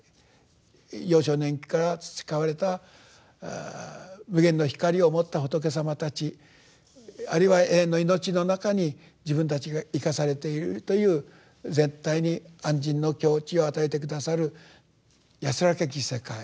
幼少年期から培われた無限の光を持った仏様たちあるいは永遠の命の中に自分たちが生かされているという絶対に安心の境地を与えて下さる安らかき世界。